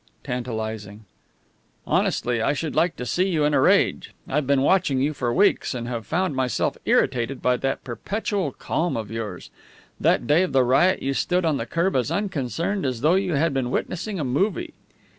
tantalizing. "Honestly, I should like to see you in a rage. I've been watching you for weeks, and have found myself irritated by that perpetual calm of yours. That day of the riot you stood on the curb as unconcerned as though you had been witnessing a movie."